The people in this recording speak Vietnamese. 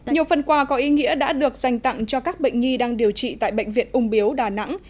nhiều phần quà có ý nghĩa đã được dành tặng cho các bệnh nhi đang điều trị tại bệnh viện ung biếu đà nẵng